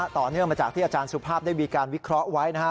ต่อเนื่องมาจากที่อาจารย์สุภาพได้มีการวิเคราะห์ไว้นะฮะ